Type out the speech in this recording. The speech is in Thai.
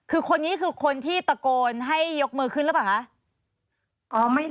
คือคนนี้คือคนที่ตะโกนให้ยกมือขึ้นหรือเปล่าคะ